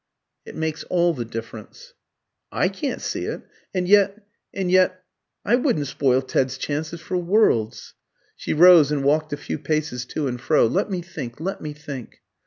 "It makes all the difference." "I can't see it. And yet and yet I wouldn't spoil Ted's chances for worlds." She rose and walked a few paces to and fro. "Let me think, let me think!"